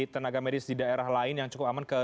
tenaga medis di daerah lain yang cukup aman ke